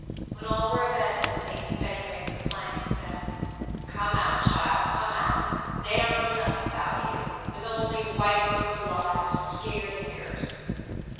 When all were abed and asleep, Betty raised the plank, and said, "Come out, chile; come out. Dey don't know nottin 'bout you. Twas only white folks' lies, to skeer de niggers."